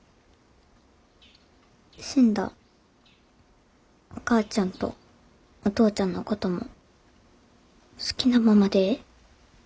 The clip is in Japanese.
死んだお母ちゃんとお父ちゃんのことも好きなままでええ？